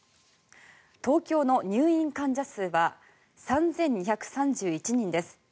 東京の入院患者数は３２３１人です。